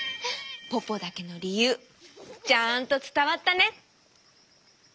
ポポだけのりゆうちゃんとつたわったね。